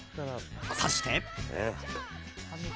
そして。